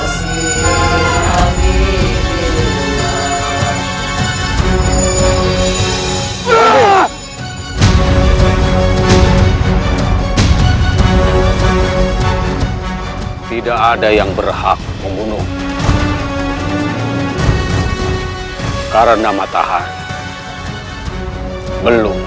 selamunia selamunia selamunia selamunia alayasi abidillah